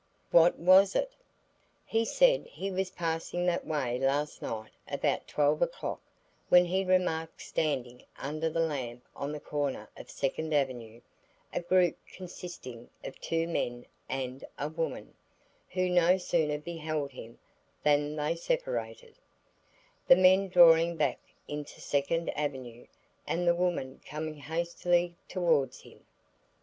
"What was it?" "He said he was passing that way last night about twelve o'clock when he remarked standing under the lamp on the corner of Second Avenue, a group consisting of two men and a woman, who no sooner beheld him than they separated, the men drawing back into Second Avenue and the woman coming hastily towards him.